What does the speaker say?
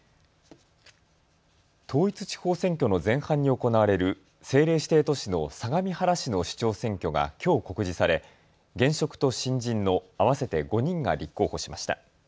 統一地方選挙の前半に行われる政令指定都市の相模原市の市長選挙がきょう告示され現職と新人の合わせて５人が立候補しました。